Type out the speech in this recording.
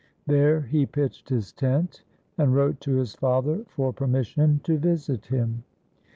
There he pitched his tent, and wrote to his father for permission to visit him.